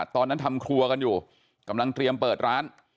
ทำครัวกันอยู่กำลังเตรียมเปิดร้าน